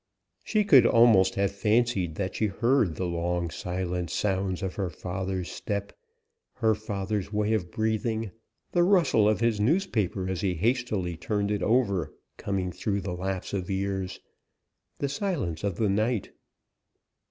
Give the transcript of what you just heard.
She could almost have fancied that she heard the long silent sounds of her father's step, her father's way of breathing, the rustle of his newspaper as he hastily turned it over, coming through the lapse of years; the silence of the night.